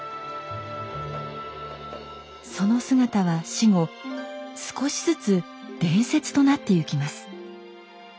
その姿は死後少しずつ伝説となってゆきます。